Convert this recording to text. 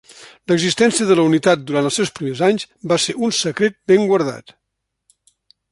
L'existència de la unitat durant els seus primers anys, va ser un secret ben guardat.